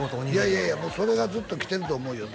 いやいやそれがずっと来てると思うよ